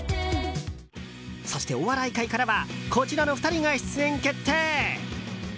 そしてお笑い界からはこちらの２人が出演決定。